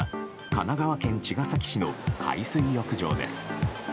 神奈川県茅ケ崎市の海水浴場です。